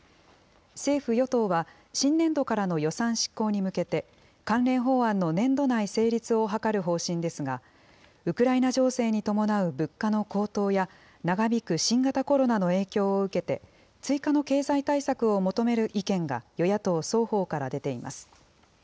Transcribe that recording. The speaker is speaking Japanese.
政府・与党は、新年度からの予算執行に向けて、関連法案の年度内成立を図る方針ですが、ウクライナ情勢に伴う物価の高騰や、長引く新型コロナの影響を受けて、追加の経済対策を求める意見が与野党双方から出ています。